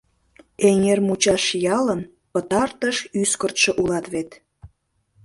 Эҥермучаш ялын пытартыш ӱскыртшӧ улат вет.